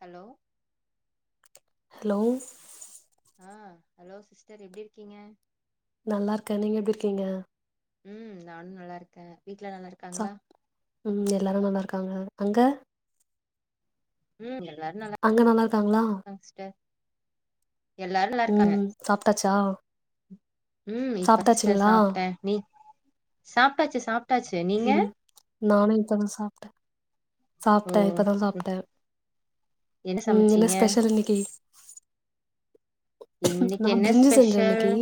Hello hello ஆ hello sister எப்டி இருக்கீங்க நல்லா இருக்கே நீங்க எப்டி இருக்கீங்க ம் நானு நல்லா இருக்கே வீட்ல எல்லா நல்லா இருக்க சா ம் எல்லாரு நல்லா இருக்காங்க அங்க ம் எல்லாரு நல்ல அங்க நல்லா இருக்காங்ளா எல்லாரு நல்லா இருக்காங்க ம் சாப்ட்டாச்சா ம் இப்ப சிஸ்டர் சாப்ட்டாச்சுங்களா சாப்ட்டே நீ சாப்ட்டாச்சு சாப்ட்டாச்சு நீங்க நானு இப்பதா சாப்ட்டே ஓ சாப்ட்டே இப்பதா ம் சாப்ட்டே ம் என்ன ஸ்பெஷல் இன்னைக்கி இன்னைக்கு நான் என்ன பிரிஞ்சி செஞ்சேன் ஸ்பெஷல் இன்னைக்கு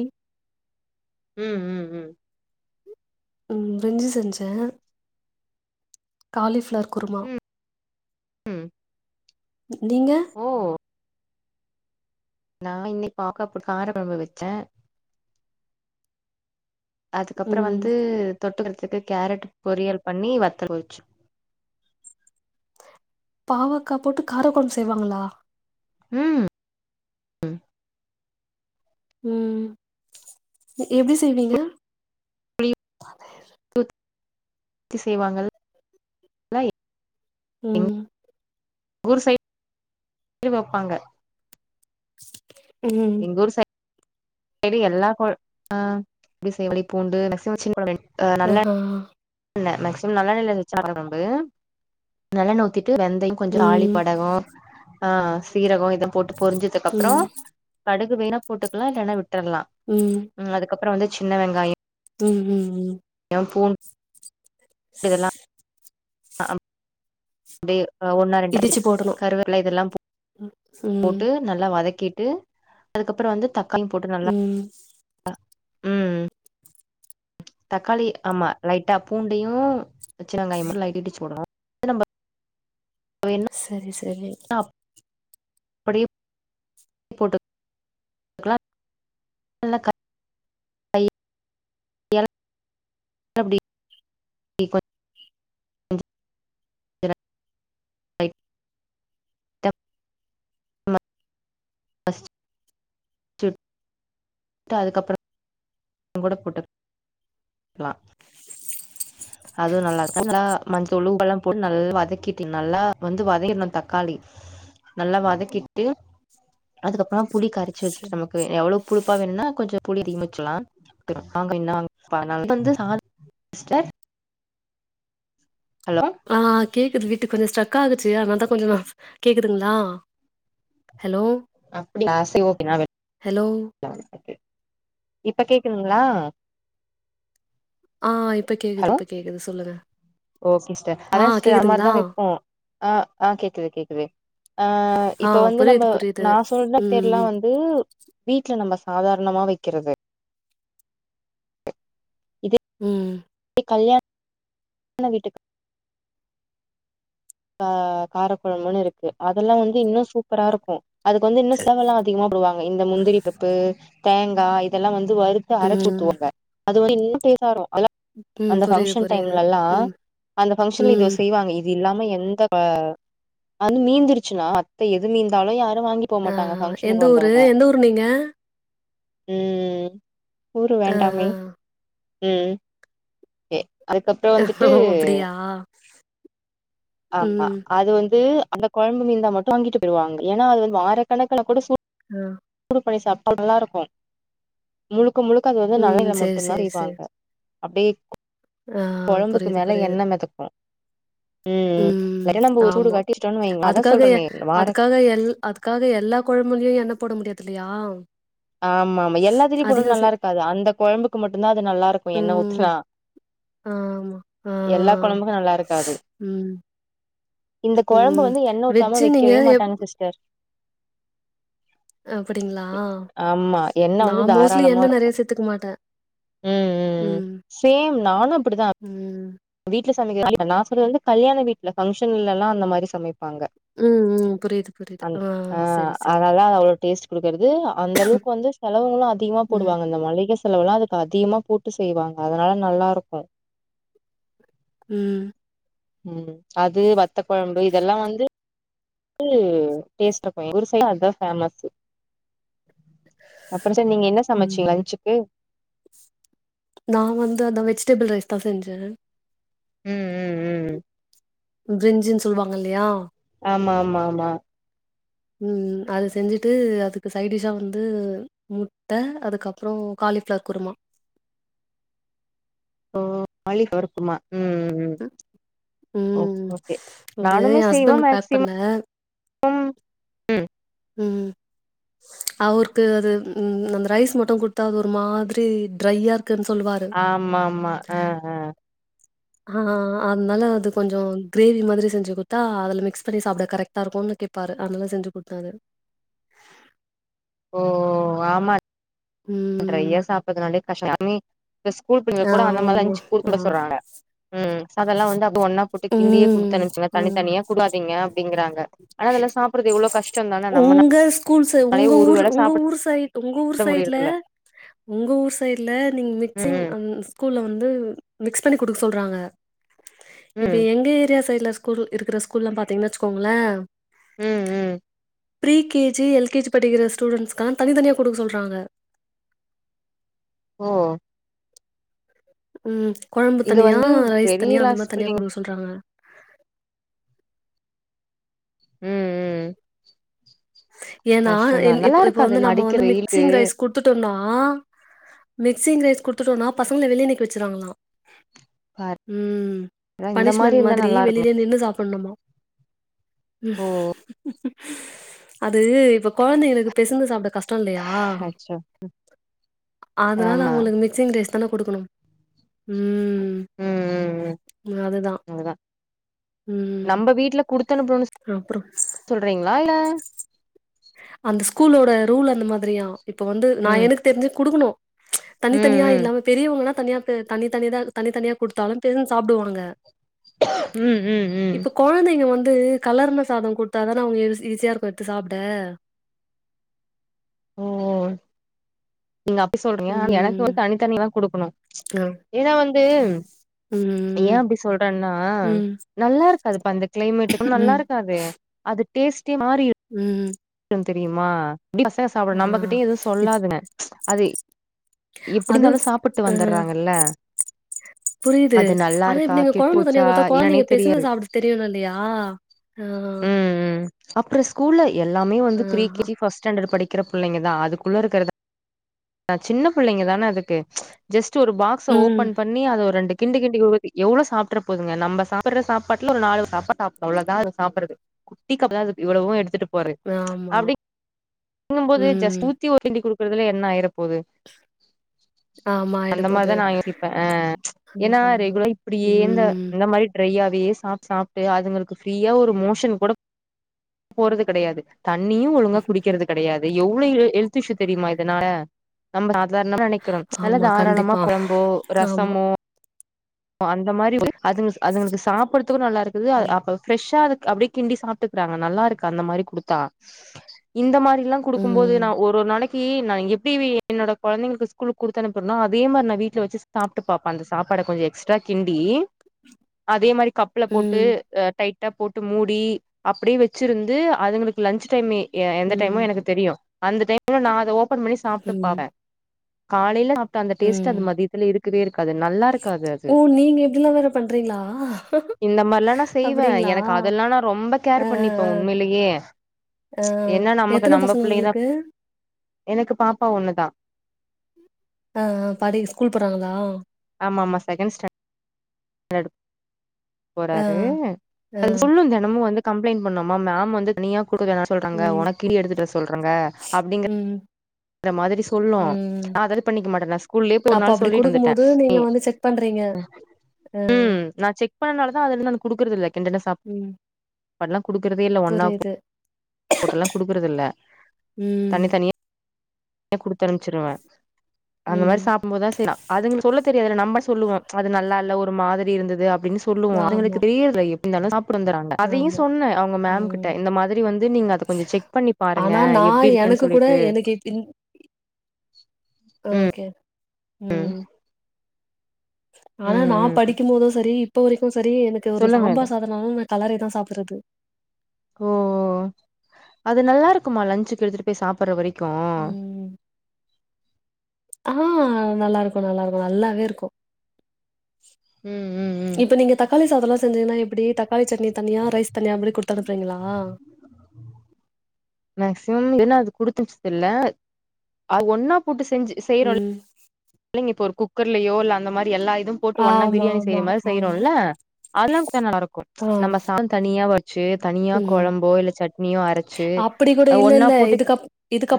ம் ம் ம் ம் பிரிஞ்சி செஞ்சே காலிபிளவர் குருமா ம் ம் நீங்க ஓ நா இன்னை பாவக்க போட்டு கார கொழம்பு வச்சே அதுக்கப்பறோ ம் வந்து தொட்டுக்கிறதுக்கு கேரட் பொரியல் பண்ணி வத்தல் வச்சு பாவக்கா போட்டு காரக் கொழம்பு செய்வாங்களா ம் ம் எப்டி செய்வீங்க [inaudible] ஊத் த்தி செய்வாங்கள் [inaudible] எங்க ம் ஊர் சைட் வப்பாங்க ம் எங்கூர் சை டு எல்லா கொழ் ஆ எப்டி செய்படி பூண்டு ரசோ வச்சி [inaudible] ஆஹ ன்ன மேக்சிமம் நல்லெண்ணல வச்சா [unintelligible] கொழம்பு நல்லெண்ண ஊத்திட்டு வெந்தயம் கொஞ்ச ம் தாளிப் வடகோ ஆ சீரகோ இதா போட்டு பொரிஞ்சதுக்கு அப்புற ம் கடுகு வேணா போட்டுக்கலா இல்லன்னா விட்டுர்லா ம் ம் அதுக்கப்புற வந்து சின்ன வெங்காய ம் ம் ம் ஏ பூண் டு இதல்லா ஆ அப்டியே ஒன்னா ரெண்டாச்சு இடிச்சு போடணு கருவப்பில்ல இதெல்லா ம் போட்டு நல்லா வதக்கிட்டு அதுக்கப்புற வந்து தக்காளியும் போட்டு நல்லா ம் ம் தக்காளி ஆமா லைட்டா பூண்டையு சின்ன வெங்காய மட்டு லைட்டா இடிச்சு போடணு நம்ம சரி சரி அப் படி போட்டுக்கலா நல்ல க கை எல அப்டி கொஞ் ச அஸ் சுட் டு அதுக்கப்புற கூட போட்டுக்கலா அதுவு நல்லாருக் நல்லா மஞ்சத்தூள் உப்பெல்லா போட்டு நல்லா வதக்கிட்டிங் நல்லா வந்து வதக்கிடணு தக்காளி நல்லா வதக்கிட்டு அதுக்கப்புற புளி கரைச்சு ச வச்சுட்டு நமக்கு எவ்வளோக் புளிப்பு வேணுன்னா கொஞ்ச புளி அதிகமா வச்சுல்லா [inaudible] ஸ்டர் ஹலோ ஆ கேக்குது விட்டு கொஞ்ச ஸ்ட்ரக்கா ஆகுச்சு அதனால தா கொஞ்ச கேக்குதுங்களா ஹலோ அப்டியா சேர் ஓ நா ஹலோ [inaudible] இப்ப கேக்குதுங்களா ஆ இப்ப கேக்குது ஹலோ இப்ப கேக்குது சொல்லுங்க ஓகே சிஸ்டர் ஆ அதா சிஸ்டர் அந்த கேக்குதுங்களா மாரிதா வப்போ ஆ ஆ கேக்குது கேக்குது ஆ ஆ இப்ப வந்து நம்ப புரியுது புரியுது நா சொல்ற மெத்தேட்ல ம் வந்து வீட்ல நம்ம சாதாரணமா வைக்கறது ம் கல்யாண வீட்டுக் ஆ காரக்கொழம்புன்னு இருக்கு அதெல்லா வந்து இன்னு சூப்பரா இருக்கு அதுக்கு வந்து இன்னு செலவல்லா அதிகமா போடுவாங்க இந்த முந்திரிப்பருப்பு தேங்கா இதெல்லா வந்து வறுத்து அரச்சு ம் ஊத்துவாங்க அது வந்து இன்னு டேஸ்ட்டா இருக்கு அதுல்லா ம் அந்த புரியுது ஃபங்க்ஷன் புரியுது டைம்லல்லா ம் அந்த பங்க்ஷன்ல இது ம் செய்வாங்க இ து இல்லாம எந்த ப ஆ வந்து மீந்துருச்சுனா மத்த எது மீந்தாலு யாரு வாங்கிட் போ ஆ மாட்டாங்க எந்த ஃபங்க்ஷனுக்கு ஊரு வந்தவங்க எந்த ஊரு நீங்க ம் ஊரு ஆ வேண்டாமே ஆ ம் ஏ அதுக்கப்ற வந்துட்டு ஆ ஆமா அது வந்து அந்த கொழம்பு மீந்தா மட்டு வாங்கிட்டு போய்ருவாங்க ஏன்னா அது வந்து வாரக்கணக்குல கூட சூ ஆ டு பண்ணி சாப்ட்டா நல்லா இருக்கு முழுக்க முழுக்க அது வந்து ம் நல்லெண்ணைல சரி மட்டுந்தா சரி சரி செய்வாங்க அப்டியே ஆ கொழம்புக்கு புரியுது மேல புரியுது எண்ண மெதக்கு ம் ம் லைட்டா நம்ப ஒரு சூடு காட்டி வச்சுட்டோன்னு வைங்களே அதா சொல்றனே வார அதா எல் அது க்காக எல்லா கொழம்புலயு எண்ண போட முடியாது இல்லையா ஆமா ஆமா எல்லாத்திலயு பொருளு அதிக சே நல்லா இருக்காது அந்த கொழம்புக்கு மட்டுந்தா அது நல்லா இருக்கு எண்ண ம் ஊத்துனா ஆமா ஆ எல்லா கொழம்புக்கு நல்லா இருக்காது ம் இந்த கொழம்ப ம் வந்து எண்ண ஊத்தாம வெஜ்ஜு நீங்க வெக்கவே எப் மாட்டாங்க சிஸ்டர் அப்பிடிங்ளா ஆமா எண்ணெ நா வந்து மோஸ்ட்லி தாராளமா எண்ண இருக்கு நெறைய சேத்துக்க மாட்டே ம் ம் ம் சேம் நானு அப்பிடிதா ம் வீட்ல சமைக்கற [inaudible] நா சொல்றது வந்து கல்யாண வீட்ல ஃபங்க்ஷன்லல்லா அந்த மாரி சமைப்பாங்க ம் ம் புரியுது புரியுது அன் ஆ செரி செரி அதனாலதா அது அவ்ளோ டேஸ்ட் குடுக்கறது அ அந்த அளவுக்கு வந்து செலவுங்களு அதிகமா ம் போடுவாங்க அந்த மளிக செலவல்லா அதுக்கு அதிகமா போட்டு செய்வாங்க அதனால நல்லா இருக்கு ம் ம் அது வத்த கொழம்பு இதெல்லா வந்து து டேஷ்ட் இருக்கு எங்க ஊர் சைடுல அதா ஃபேமஸு அப்பற சிஸ்டர் நீங்க என்ன சமைச்சீங்க ம் லஞ்ச்சுக்கு நா வந்து அந்த வெஜிடபிள் ரைஸ்தா செஞ்சே ம் ம் ம் பிரிஞ்சின்னு சொல்வாங்க இல்லையா ஆமா ஆமா ஆமா ம் அது செஞ்சுட்டு அதுக்கு சைடிஷா வந்து முட்ட அதுக்கப்றோ காலிஃப்ளவர் குருமா ஓ காலிஃப்ளவர் குருமா ம் ம் ம் ஓ ம் ஓகே அது நானுமே யேன் செய்வே ஹஸ்பண்டுக்கு பேக் மேக்சிமம் பண்ணே ம் ம் அவுருக்கு அது ம் அந்த ரைஸ் மட்டு குடுத்தா அது ஒரு மாதிரி ட்ரையா இருக்குன் சொல்லுவாரு ஆமா ஆமா அ அ ஆ அதுனால அது கொஞ்ச கிரேவி மாரி செஞ்சு குத்தா அதுல மிக்ஸ் பண்ணி சாப்ட கரெக்டா இருக்குனு கேப் பாரு அதனெல்லா செஞ்சு குடுத்தனு ஓ ஆமா ம் ட்ரையா சாப்பறதுனால கஷ்ட யாருமே இப்ப ஸ்கூல் பிள்ளைங்க கூட அந்த மாரி ஆமா லன்ச்சு குடுத்து ஆ உட சொல்றாங்க ம் சதெல்லா வந்து அது ஒன்னா போட்டு கிண்டியே ம் குடுத்தனுச்சுங்க ம் தனித்தனியா குடாதீங்க அப்டிங்கிறாங்க ஆனா அதெல்லா சாப்புடுறது எவ்ளோ கஷ்டதானா நம்மனா கூல்ஸ் உங்க ஊர் உங்க ஊர் சைட் உங்க ஊர் சைட்ல முடியறதில்ல அ உங்க ஊர் சைட்ல நீங்க ம் மிக்சிங் கூல்ல வந்து மிக்ஸ் பண்ணி குடுக்க சொல்றாங்க இப்ப ம் எங்க ஏரியா சைடுல ஸ்கூல் இருக்குற ஸ்கூல்ல பாத்தீங்கன் வச்சுக்கோங்களே ம் ம் pre K G L K G படிக்கிற ஸ்டூடென்ஸ்கெலா தனி தனியா குடுக்க சொல்றாங்க ஓ ம் கொழம்பு இங்க தனியா வந்து ரைஸ் பெரிய தனியா அந்த கிளாஸ் மாரி தனியா பிள்ளைங்க குடுக்க சொல்றாங்க ம் ம் ஏன்னா கஷ்டந்தா இன் இ நல்லா இப்ப வந்து இருக்காதுல்ல நம்ம அடிக்கிற வந்து வெயிலுக்கு மிக்சிங் ரைஸ் குடுத்துட்டோனா மிக்சிங் ரைஸ் குடுத்துட்டோனா பசங்கள வெளிய நிக்க வச்சிறாங்களா ம் பாருங்க இந்த மாரி பனிஷ்மெண்ட் இருந்தா மாதிரி நல்லா இருக்குமே வெளியிலே நின்னு சாப்புட்ணுமா ஓ அது இப்ப கொழந்தைங்களுக்கு பெசந்து சாப்ட கஷ் ட இல்லையா அச்சோ அதனால ஆமா அவுங்களுக்கு மிக்சிங் ரைஸ் தானா குடுக்கணு ம் ம் அதுதா நம்ப வீட்டுல குடுத்தனுப்புறோம்னு அப்புறம் சொல்றீங்களா இல்ல அந்த ஸ்கூலோட ரூல் அந்த மாதிரியா இப்ப வந்து நா ம் எனக்கு தெரிஞ்சு குடுக்கனு ம் தனித்தனியா ம் இல்லாம பெரியவங்கனா தனியா தனி தனி தா தனி தனியா குடுத்தாலு பெசஞ்சு சாப்டுவாங்க ம் ம் ம் கொழந்தைங்க வந்து கலர்ன சாத குடுத்தாதான அவுங்க ஈஸியா இருக்கு எடுத்து சாப் ட ஓ நீங்க அப்டி சொல்றீங்க ஆன எனக்கு ம். வந்து தனித்தனிதா குடுக்கணு அ. ஏன்னா வந்து ஏ ம். அப்டி சொல்றேன்னா ம். நல்லா இருக்காதுப்ப இந்த கிளைமேட்டு நல்லா ம். இருக்காது அது டேஸ்ட்டே மாறிரு ம் ம் தெரியும்மா பசங்க ஆ. சாப்பிடு நம்மகிட்டயு எதுவு இப் சொல்லாதுங்க அதே எப்டி அது இருந்தாலு சாப்பிட்டு அ வந்துறாங்கல்ல புரியுது ஆனா இப்ப இருக்கா நீங்க கெட்டு கொழம்பு தனியா போச்சா குடுத்தா என்னன்னே கொழந்தைங்க பெசந்து தெரியாது சாப்புட தெரியனு இல்லையா ஆ. ம் ம் அப்புறோ ஸ்கூல்ல எல்லாமே வந்து ப்ரீ ஆஹா கே ஜி பஸ்ட் ஸ்டாண்டர்ட் படிக் கிற பிள்ளைங்க தா அதுக்குள்ள இருக்றதா சின்ன பிள்ளைங்க தானே அதுக்கு ஜஸ்ட் ஒரு பாக்ஸ ஓபன் ம் பண்ணி பண்ணி அத ஒரு ரெண்டு கிண்டு கிண்டி குடுக்கத்கு எவ்ளோ சாப்ட்ற போதுங்க நம்ப சாப்புற சாப்பாட்ல ஒரு நாலு சாப்பாட் சா அவ்ளோதா அது சாப்பிறது குட்டி கப்பு தா இவளவு எடுத்துட்டு போறது ஆமா. அப்டி ங்கும்போது ஜஸ்ட் ம் ஊத்தி ஓர் கிண்டி குடுக்குறதுல என்ன ஆயிரப்போது ஆமா அந்த ஆயிடப்போது மாரிதா நா யோசிப்பே ஆ என்ன ஏன்னா பண்ணணும். ரெகுலர் இப்டியேந்த ம் இந்த மாரி ட்ரையாவே சாப்ட் சாப்ட்டு அதுங்களுக்கு ஃப்ரீயா ஒரு மோஷன் கூட போறது கெடையாது தண்ணியு ஒழுங்கா குடிக்கிறது கெடையாது எவ்வளவு ஹெல்த் இஷ்யூ தெரியுமா இதனால நம்ம சாதாரணமா நெனைக்கிறோ நல்ல ஆமா தாராளமா கண்டிப்பா. குழம்போ ஆமா. ரசமோ அந்த மாதிரி அதுங்க அதுங்களுக்கு சாப்படுறதுக்கு நல்லா இருக்குது ம். அப்ப ப்ரெஷ்ஷா அதுக் அப்டியே கிண்டி சாப்பிட்டுக்கறாங்க நல்லா இருக்கு அந்த மாரி குடுத்தா இந்த மாரிலாம் குடுக்கும்போது ம். நா ஒரு ஒரு நாளைக் கி நா எப்படி என்னோட கொழந்தைங்களுக்கு ஸ்கூலுக்கு குடுத்து அனுப்பறனோ அதே மாரி நா வீட்ல வச்சு சா சாப்ட்டு பாப்பே அந்த சாப்பாட கொஞ்சோ எக்ஸ் ரா கிண்டி அதே மாரி கப்புல போட்டு ம். அ டைட் ட்டா போட்டு மூடி அப்டியே வச்சிருந்து அதுங்களுக்கு லஞ்ச் டைம் எந்த ம். டைமு எனக்கு தெரியு அந்த டைம்ல நா அத ஓபன் பண்ணி சாப்ட்டு ம். பாப்பே காலைல சாப்ட்டா அந்த டேஸ்ட் ம். அது மதியத்துல இருக்கவே இருக்காது நல்லா இருக்காது அது ஓ! நீங்க இப்படிலாம் வேற பண்றீங்களா? இந்த மாரிலா நா செய்வே அப்படிங்களா? எனக்கு அதெல்லா நா ரொம்ப அ, கேர் பண்ணிப்பே அ, உண்மைலயே அ, அ. ஏன்னா நமக்கு எத்தன நம்ம பசங்க பிள்ளைங்க உங்களுக்கு? தா எனக்கு பாப்பா ஒண்ணு தா ஆ ஆ படி ஸ்கூல் போறாங்களா ஆமா ஆமா செகண்ட் ஸ்டாண்டடு அ, போறாரு அ சொல்லும் தினமு வந்து கம்ப்ளைண்ட் பண்ணோமா மேம் வந்து தனியா குடுக்க வேணா சொல்றாங்க ம். ஒனக்கிடி எடுத்துட்டு வரசொல்றாங்க அப்டிங் ம். அந்த மாரி சொல்லு நா ம். அதா பண்ணிக்க மாட்டே நா ஸ்கூல்லயே போய் ஒரு நாள் சொல்லிட்டு வந்துட்டே இங்க வந்து செக் பண்றீங்க அ. ம் நா செக் பண்ணுனதுனாலதா அது எது நா குடுக்றதில்ல கிண்டுன சாப் ம். பாட்லா குடுக்குறதே இல்ல ஒன்னாக்கு புரியுது. போட்டுல்லா குடுக்கறது இல்ல தனி ம். தனியா குடுத்து அம்ச்சிருவே அந்த ம். மாரி சாப் நம்ம தா செய்றோ அதுங்க சொல்ல தெரியாதுல நம்ப சொல்லுவோ அது நல்ல இல்ல ஒரு மாரி இருந்தது அப்டின்னு சொல்லுவோ ஆமா. அவுங்களுக்கு தெரியல எப்டிருந்தாலு சாப்டு வந்துறாங்க அதயு ஆமா சொன்னே அவுங்க மேம் கிட்ட ம். இந்த மாதிரி வந்து நீங்க அத கொஞ்சோ செக் பண்ணி பாருங்க எப்டி இருக்குன்னு சொல்லிட்டு கே ம் ஓகே ம் ஆனா ம் நா ம் படிக்கும் போது சரி இப்ப வரைக்கும் சரி எனக்கு ஒரு சொல்லுங்க அத சாம்பார் சாதம் நானுமே கலரி தா சாப்றது ஓ அது நல்லாருக்குமா லன்சுக்கு எடுத்துட்டு போய் சாப்புற வரைக்கு ம். ஆ நல்லாருக்கு நல்லாருக்கு நல்லாவேருக்கு ம் ம் ம் இப்ப நீங்க தக்காளி சாதோல்லா செஞ்சீங்கன்னா எப்டி தக்காளி சட்ணி தனியா ரைஸ் தனியா அப்டி குடுத்து அனுப்புறீங்களா மேக்சிமம் ஏன்னா அது குடுத்தனுப்ச்சதில்ல அது ஒன்னா போட்டு செஞ்சு ம் இல்லிங்க இப்ப ஒரு குக்கர்லயோ இல்ல அந்த மாரி எல்லா இதும் போட்டு ஒன்னா ஆமாமா, பிரியாணி ஆமா. செய்யற மாரி ஆமா. செய்யறோம்ல்ல அதெல்லா நல்லாருக்கு ஆ. நம்ம சாதம் தனியா வடி ச்சு தனியா ம். கொழம்போ இல்ல சட்னியோ அரைச்சு அப்படி கூட அத இல்ல, ஒன்னா இல்ல. போட்டு இதுக்கப்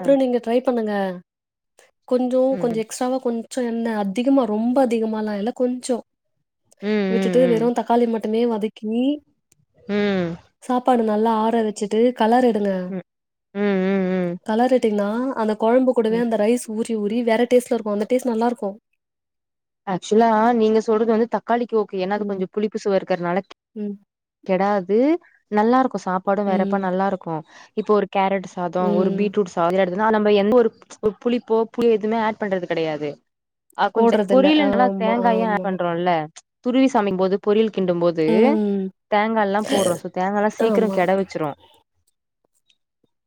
ஆ நீங்க ட்ரை பண்ணுங்க கொஞ்சோ கொஞ்சோ ம் எக்ஸ்ராவா கொஞ் சோ எண்ண அதிகமா ரொம்ப அதிகமாலா இல்ல கொஞ்சோ ம் ம் விட்டுட்டு ம் வெறு தக்காளி மட்டு மே வதக்கி ம் சாப்பாடு நல்லா ஆற வச்சுட்டு கலரிடுங்க ம் ம் ம் கல ட்டினா அந்த கொழம்பு கூடவே ம் அந்த ரைஸ் ஊறி ஊறி வேற டேஸ்ட்லருக்கு அந்த டேஸ்ட் நல்லாருக்கு ஆக்சுவலா நீங்க சொல்றது வந்து தக்காளிக்கி ஓகே ஏன்னா அது ம் கொஞ்சோ புளிப்புசுவ இருக்கறனால ம் கெடாது நல்லா இருக்கு சாப்பாடு வேறப்ப ம் நல்லா இருக்கு இப்ப ஒரு கேரட் சாதோ ஒரு ம் பீட்ரூட் சாதோ இதெல்லா எடுத்துக்கிட்டோன்னா அத நம்ப எந்த ஒரு புளிப்போ புளியோ எதுவுமே ஆட் பண்றது கெடையாது ஆ கொஞ்ச போடுறதில்ல பொரியலுன்றனால அது ஆமா தேங்காயு ஆட் ஆமா பண்றோம்ல்ல துருவி சமைக்கும்போது பொரியல் கிண்டும்போது ம் தேங்காய் எல்லாம் போடுறோம் சோ தேங்காய் எல்லா சீக்கரோ ஆமா கெட வச்சிரு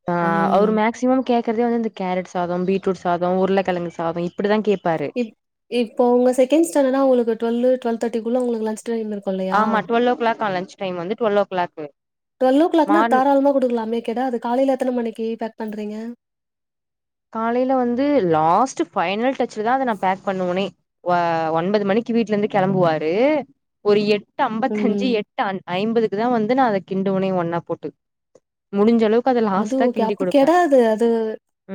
இப்ப அவரு ம் மேக்சிமம் கேக்குறதே வந்து இந்த கேரட் சாதோ பீட் ரூட் சாதோ உருளைக்கெழங்கு சாதோ இப்டிதா கேப் இப் இப்ப உங்க செகண்ட் ஸாண்டர்ட்னா உங்களுக்கு டூவெல் டுவெல் தேர்டிகுள்ள உங்களுக்கு லஞ்ச் டைம் இரு ஆமா டுவெல் ஓ கிளாக்கா லன்ஞ் டைம் வந்து டுவெல் ஓ கிளாக் டுவெல் ஓ கிளாக்னா தாராளமா குடுக்கலாமே கெடாது காலேல எத்தன மணிக்கி பேக் பண்றீங்க காலேல வந்து லாஸ்ட் பைனல் டாச்லதா அத நா பேக் பண்ணுவனே ஒன்பது மணிக் கி வீட்ல இருந்து கெளம்புவாரு ஒரு எட்டு ஐம்பத்தஞ்சி ம் எட்டு ஐம்பதுக்குதா வந்து நா அத கிண்டுவனே ஒன்னா போட்டு முடிஞ்சளவுக்கு அது ஓகே அப்ப கெடாது அது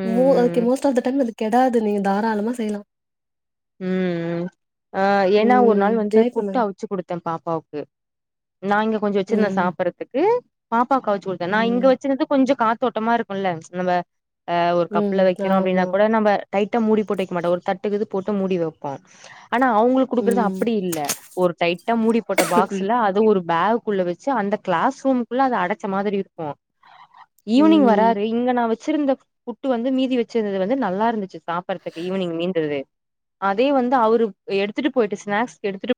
ம் மோ ம் okay most of the time அது கெடாது நீங்க தாராளமா செய்யலா ம் ம் ஆ ஏன்னா ஒரு ம் நாள் வந்து ட்ரை புட்டு பண்ணுங்க. அவிச்சி குடுத்தே பாப்பாவுக்கு நா இங்க கொஞ்சோ வச்சிருந்தே ம், சாப்ட்றதுக்கு பாப்பாக்கு அவிச்சி குடுத்தே நா இங்க ம், வச்சிருந்தது கொஞ்சோ காத்தோட்டமா இருக்குல்ல நம்ம ஆ ஒரு ம் கப்புல வைக்கிறோ அப்டின்னா ஆமா. கூட நம்ம டைட்டா மூடி போட்டு வைக்க மாட்டோ ஒரு தட்டுக்கு இது போட்டு முடி வைப்போ ஆனா அவுங்களுக்கு குடுக்கறது ம், அப்டி இல்ல ஒரு டைட்டா மூடி போட்ட பாக்ஸ்ல அது ஒரு பேக் குள்ள வச்சி அந்த கிளாஸ் ரூம் குள்ள அத அடைச்ச மாதிரி இருக்கு ஈவினிங் ம். வர்றாரு இங்க நா வச்சிருந்த புட்டு வந்து மீதி வச்சிருந்தது வந்து நல்லா இருந்துச்சி சாப்ட்றதுக்கு ஈவினிங் மீந்தது அதே வந்து அவரு எடுத்துட்டு போயிட்டு ஸ்நாக்ஸ்க்கு எடுத்துட்டு